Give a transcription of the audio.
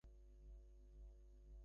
ও যেতে চায়।